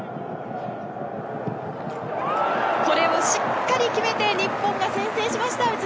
これをしっかり決めて日本が先制しました！